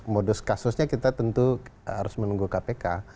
modus kasusnya kita tentu harus menunggu kpk